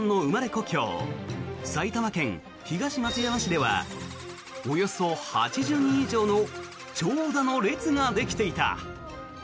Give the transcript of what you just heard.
故郷埼玉県東松山市ではおよそ８０人以上の長蛇の列ができていた。